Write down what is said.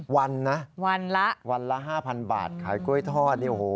วันนะวันละ๕๐๐๐บาทขายกล้วยทอดโอ้โฮ